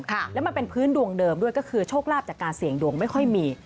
แล้วมันเป็นพื้นดวงเดิมด้วยก็คือโชคลาภจากการเสี่ยงดวงไม่ค่อยมี